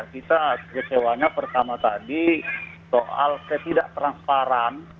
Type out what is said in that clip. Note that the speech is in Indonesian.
kita kecewanya pertama tadi soal ketidak transparan